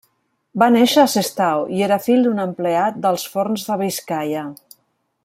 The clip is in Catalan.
Va néixer a Sestao, i era fill d'un empleat d'Alts Forns de Biscaia.